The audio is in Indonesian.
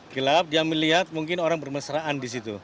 gelap dia melihat mungkin orang berpengalaman